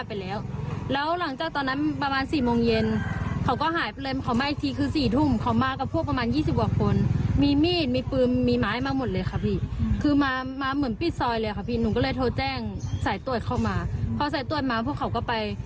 พอสายตรวจมาพวกเขาก็ไป